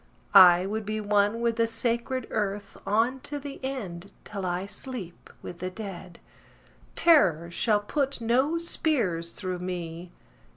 I would be one with the sacred earth On to the end, till I sleep with the dead. Terror shall put no spears through me.